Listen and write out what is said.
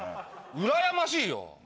うらやましいよ。